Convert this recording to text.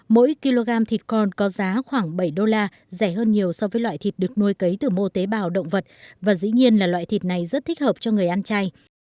mỗi kg thịt con có giá khoảng bảy đô la rẻ hơn nhiều so với loại thịt được nuôi cấy từ mô tế bào động vật và dĩ nhiên là loại thịt này rất thích hợp cho người ăn chay